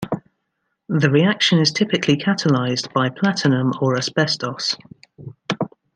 The reaction is typically catalyzed by platinum or asbestos.